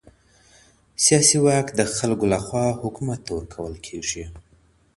سياسي واک د خلګو لخوا حکومت ته ورکول کېږي.